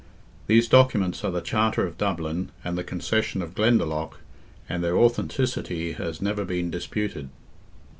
These documents are the Charter of Dublin, and the Concession of Glendalough, and their authenticity has never been disputed.